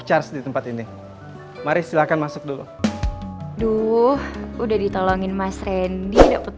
charge di tempat ini mari silakan masuk dulu duh udah ditolongin mas rendy dapet